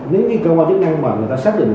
nếu như cơ quan chức năng mà người ta xác định